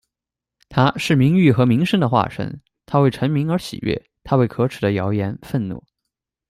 她是名誉和名声的化身，她为成名而喜悦，她为可耻的谣言愤怒。